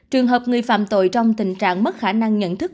trường hợp người phạm tội trong tình trạng mất khả năng nhận thức